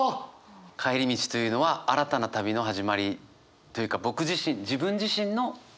帰り道というのは新たな旅の始まりというか僕自身桐山君は？